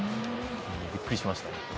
びっくりしましたね。